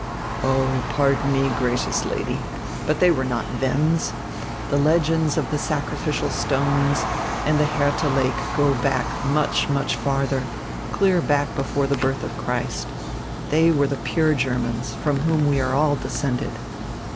"Oh, pardon me, gracious Lady, but they were not Wends. The legends of the sacrificial stones and the Her tiia Lake go back much, much farther, clear back before the birth of Christ. They were the pure Germans, from whom we are all descended."